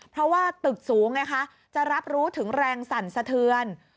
เพราะว่าตึกสูงไงคะจะรับรู้ถึงแรงสั่นสะเทือน